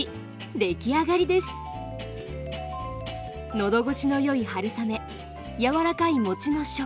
のどごしのよい春雨柔らかい餅の食感。